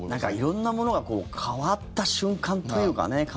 色んなものが変わった瞬間というかね。